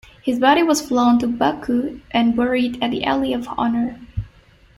His body was flown to Baku and buried at the Alley of Honor.